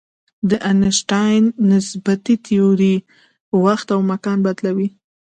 د آینشټاین نسبیتي تیوري وخت او مکان بدلوي.